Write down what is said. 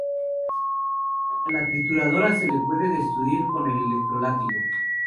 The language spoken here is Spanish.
A la trituradora se la puede destruir con el electro-látigo.